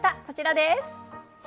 こちらです。